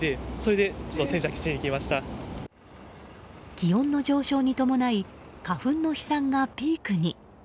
気温の上昇に伴い花粉の飛散がピークに。